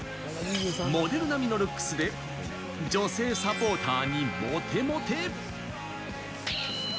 モデル並みのルックスで、女性サポーターにモテモテ。